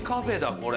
これ。